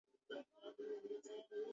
হ্যাঁ তুই, এই জ্যাকেট কি তোর বাপের নাকি?